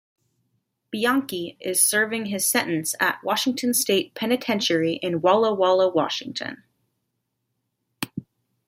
Bianchi is serving his sentence at Washington State Penitentiary in Walla Walla, Washington.